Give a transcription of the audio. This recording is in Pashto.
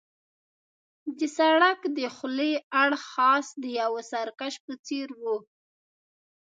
د سړک دخولي اړخ خاص د یوه سرکس په څېر وو.